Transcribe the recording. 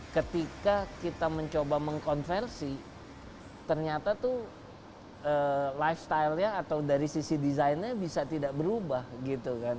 ketika kita mencoba mengkonversi ternyata tuh lifestylenya atau dari sisi desainnya bisa tidak berubah gitu kan